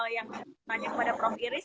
yang nanya kepada prof iris